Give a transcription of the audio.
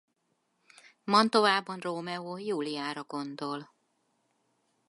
Mantovában Rómeó Júliára gondol.